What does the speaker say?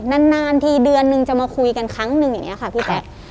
นานทีเดือนนึงจะมาคุยกันครั้งนึงอย่างนี้ค่ะพี่แจ๊ค